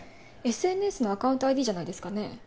ＳＮＳのアカウントＩＤじゃないですかね？